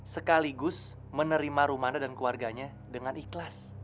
sekaligus menerima rumanda dan keluarganya dengan ikhlas